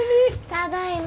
ただいま。